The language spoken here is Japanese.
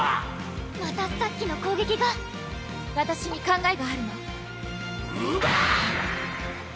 またさっきの攻撃がわたしに考えがあるのウバー！